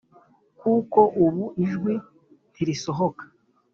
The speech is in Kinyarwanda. kuko ubu ijwi ntirisohoka."